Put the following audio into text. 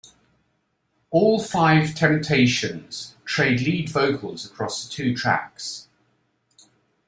All five Temptations trade lead vocals across the two tracks.